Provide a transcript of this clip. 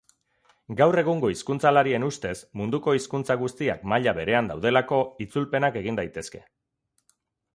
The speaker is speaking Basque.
Gaur egungo hizkuntzalarien ustez, munduko hizkuntza guztiak maila berean daudelako, itzulpenak egin daitezke.